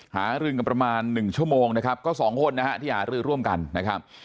หารึงกันประมาณ๑ชั่วโมงนะครับก็สองคนนะฮะที่หารือร่วมกันนะครับ